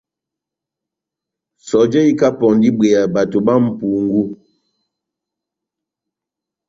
Sɔjɛ ikapɔndi ibweya bato bá mʼpungu.